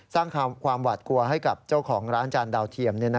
สร้างความหวาดกลัวให้กับเจ้าของร้านจานดาวเทียม